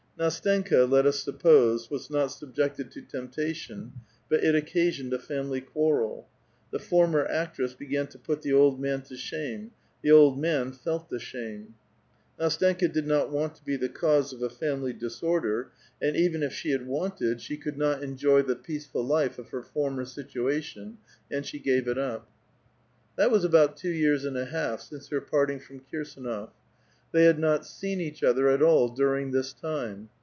Ndstenka, let us suppose, was not subjected to tempta tion, but it occasioned a family quarrel ; the former actress began to put the old man to shame ; the old man felt the shame. Ndstenka did not want to be the cause of a family disorder, and even if she had wanted, she could not A VITAL QUESTION. 219 enjoy the peaceful life of her former situation, and she gave it up. That was about two years and a half since her parting from Kirs^nof. Tliey iiud not seen eacii other at all during this time.